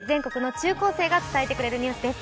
続いて全国の中高生が伝えてくれるニュースです。